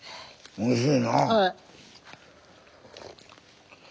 おいしい。